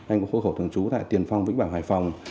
anh có hộ khẩu thường trú tại tiền phong vĩnh bảo hải phòng